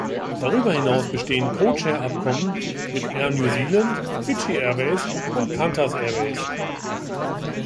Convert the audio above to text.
Darüber hinaus bestehen Codeshare-Abkommen mit Air New Zealand, Fiji Airways und Qantas Airways.